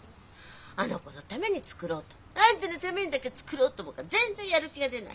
あの子のために作ろうと。あんたのためにだけ作ろうと思うから全然やる気が出ない。